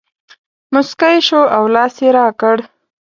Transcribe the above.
مسکی شو او لاس یې راکړ.